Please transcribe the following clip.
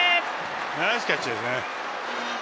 ナイスキャッチです。